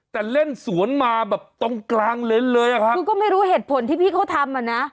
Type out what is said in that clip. แต่เล่นสวนมาแบบตรงกลางเลนส์เลยอะครับคือก็ไม่รู้เหตุผลที่พี่เขาทำอ่ะนะ